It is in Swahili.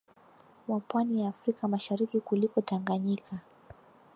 wa Pwani ya Afrika Mashariki kuliko Tanganyika